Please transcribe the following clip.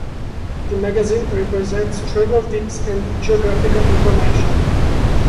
The magazine presents travel tips and geographical information.